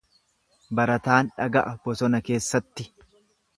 Barataan dhaga'a bosona keessatti.